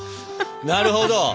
なるほど。